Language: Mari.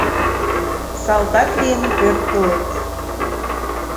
Салтак лийын пӧртылыт